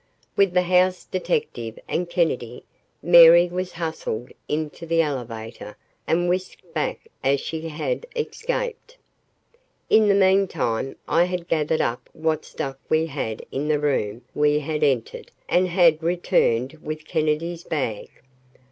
With the house detective and Kennedy, Mary was hustled into the elevator and whisked back as she had escaped. In the meantime I had gathered up what stuff we had in the room we had entered and had returned with Kennedy's bag.